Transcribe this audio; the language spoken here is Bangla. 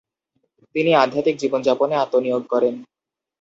তিনি আধ্যাত্মিক জীবন যাপনে আত্ম নিয়োগ করেন।